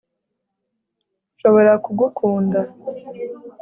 Nshobora kugukunda